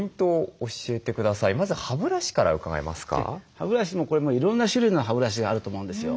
歯ブラシもこれいろんな種類の歯ブラシがあると思うんですよ。